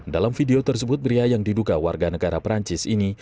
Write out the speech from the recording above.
dalam video tersebut pria yang diduga warga negara perancis ini